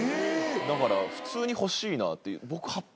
だから普通に欲しいなって。